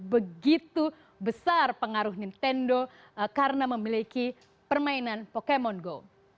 begitu besar pengaruh nintendo karena memiliki permainan pokemon go